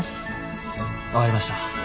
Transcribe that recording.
分かりました。